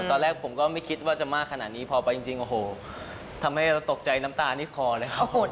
ตอนแรกผมก็ไม่คิดว่าจะมากขนาดนี้พอไปจริงโอ้โหทำให้เราตกใจน้ำตานี่คอเลยครับ